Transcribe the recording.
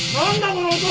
この音！